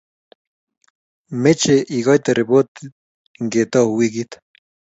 Meche igoite ripotit ngetau weekit---